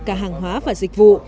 cả hàng hóa và dịch vụ